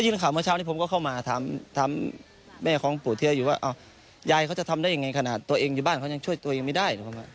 ยายเขาจะทำได้ยังไงขนาดตัวเองอยู่บ้านเขายังช่วยตัวเองไม่ได้